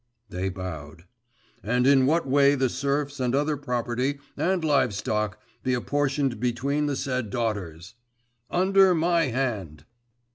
(they bowed), 'and in what way the serfs and other property, and live stock, be apportioned between the said daughters! Under my hand!